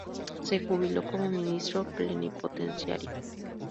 Se jubiló como ministro plenipotenciario.